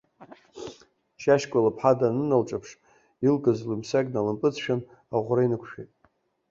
Шьашькәа лыԥҳа даныналҿаԥш, илкыз лҩымсаг налымпыҵшәан, аӷәра инықәшәеит.